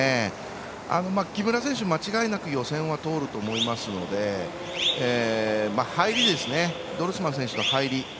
木村選手、間違いなく予選は通ると思いますのでドルスマン選手の入りですね。